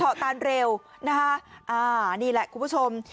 ตานเร็วนะคะอ่านี่แหละคุณผู้ชม